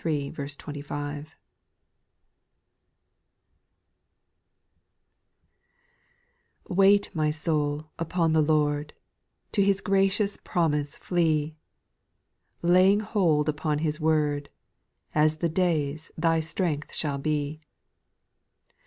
1. i TXT" AIT my soul upon the Lord, If To His gracious promise flee, Laying hold upon His word, ^^As thy days, thy strength shall be.''